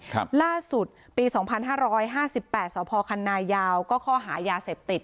ครับล่าสุดปีสองพันห้าร้อยห้าสิบแปดสพคันนายาวก็ข้อหายาเสพติด